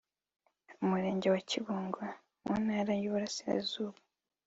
Umurenge wa Kibungo mu Ntara y’Uburasirazuba